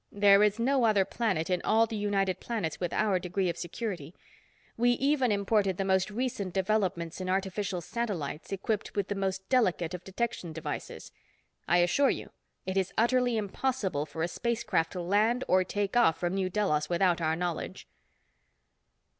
"There is no other planet in all the United Planets with our degree of security. We even imported the most recent developments in artificial satellites equipped with the most delicate of detection devices. I assure you, it is utterly impossible for a spacecraft to land or take off from New Delos without our knowledge."